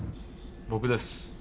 僕です。